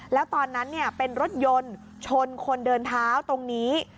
แล้วตอนนั้นเป็นรถยนต์ชนคนเดินเท้าตรงนี้